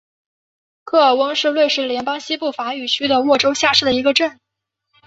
科尔翁是瑞士联邦西部法语区的沃州下设的一个镇。